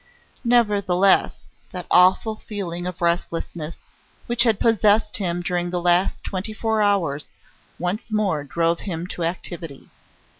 Nevertheless, that awful feeling of restlessness which had possessed him during the last twenty four hours once more drove him to activity.